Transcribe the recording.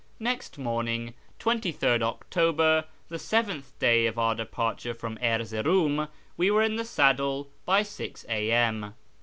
Next morning (23rd October), the seventh day of our departure from Erzeroum, we were in the saddle by 6 a.m.